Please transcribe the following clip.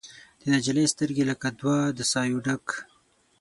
د نجلۍ سترګې لکه دوه د سايو ډک